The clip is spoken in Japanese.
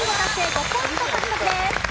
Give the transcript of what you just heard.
５ポイント獲得です。